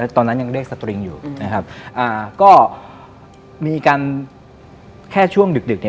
ตอนนั้นยังเรียกสตริงอยู่นะครับอ่าก็มีการแค่ช่วงดึกดึกเนี่ย